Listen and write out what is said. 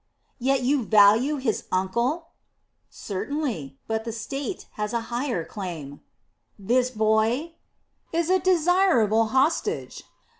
"Yet you value his uncle?" "Certainly. But the state has a higher claim." "This boy...." "Is a desirable hostage.